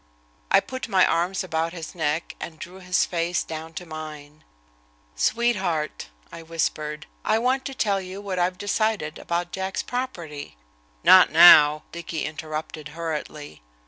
I put my arms about his neck and drew his face down to mine. "Sweetheart," I whispered, "I want to tell you what I've decided about Jack's property." "Not now," Dicky interrupted hurriedly.